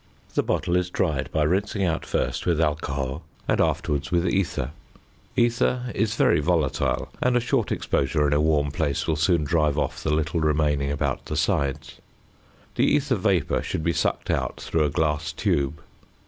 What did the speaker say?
The bottle is dried by rinsing out first with alcohol and afterwards with ether; ether is very volatile, and a short exposure in a warm place will soon drive off the little remaining about the sides. The ether vapour should be sucked out through a glass tube.